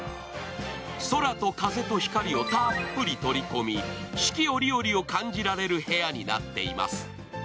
空と風と光をたっぷり取り込み、四季折々を感じられる部屋になっています。